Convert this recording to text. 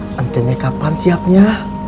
nantinya kapan siapnya